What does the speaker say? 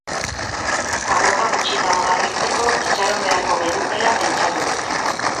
Arropa gutxi dago garbitzeko, itxaron beharko genukeela pentsatu dut.